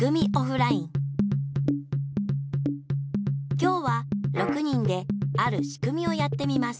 きょうは６人であるしくみをやってみます。